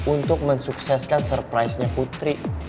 untuk mensukseskan surprise nya putri